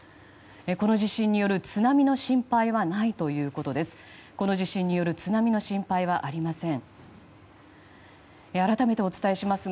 この地震による津波の心配はないということです。